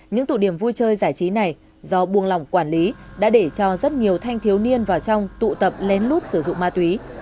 những tụ điểm vui chơi giải trí này do buông lỏng quản lý đã để cho rất nhiều thanh thiếu niên vào trong tụ tập lén lút sử dụng ma túy